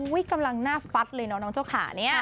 อุ้ยกำลังหน้าฟัดเลยเนอะน้องเจ้าขานี้